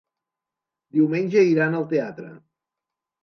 Diumenge iran al teatre.